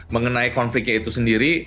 mengenai konfliknya itu sendiri